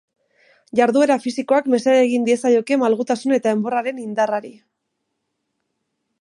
Jarduera fisikoak mesede egin diezaioke malgutasun eta enborraren indarrari.